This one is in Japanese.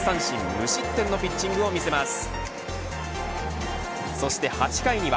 無失点のピッチングを見せます。